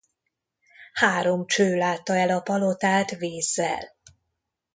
Három cső látta el a palotát vízzel.